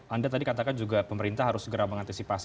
anda tadi katakan juga pemerintah harus segera mengantisipasi